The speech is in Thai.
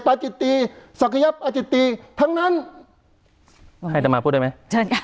ประจิติศักยประจิติทั้งนั้นให้ต่อมาพูดได้ไหมเชิญค่ะ